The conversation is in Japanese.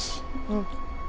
うん。